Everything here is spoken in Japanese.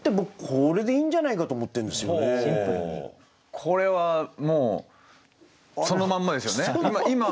これはもうそのまんまですよね。